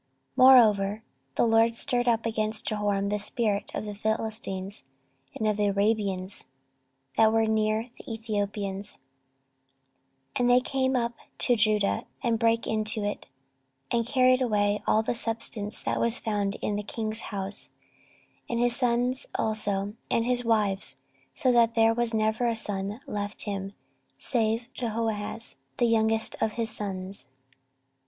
14:021:016 Moreover the LORD stirred up against Jehoram the spirit of the Philistines, and of the Arabians, that were near the Ethiopians: 14:021:017 And they came up into Judah, and brake into it, and carried away all the substance that was found in the king's house, and his sons also, and his wives; so that there was never a son left him, save Jehoahaz, the youngest of his sons.